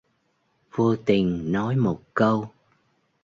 Vô tình nói một câu